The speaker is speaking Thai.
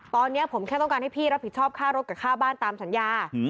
ตอนนี้ผมแค่ต้องการให้พี่รับผิดชอบค่ารถกับค่าบ้านตามสัญญา